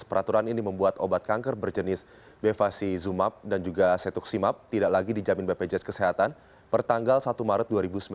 peraturan ini membuat obat kanker berjenis bevacizumab dan juga setoximab tidak lagi dijamin bpjs kesehatan pertanggal satu maret dua ribu sembilan belas